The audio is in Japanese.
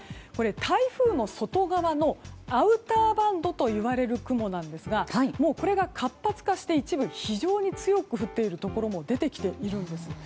台風の外側のアウターバンドといわれる雲なんですがこれが活発化して、一部非常に強く降っているところも出てきているんです。